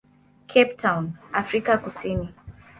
Cape Town, Afrika Kusini.